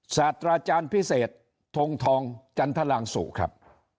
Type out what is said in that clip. ศาสตราอาจารย์พิเศษทงทองจันทรางสุครับ